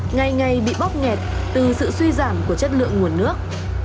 ngay ngay bị bóp nghẹt từ sự suy giảm của chất lượng nguồn nước